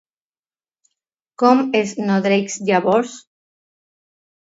Com es nodreix llavors?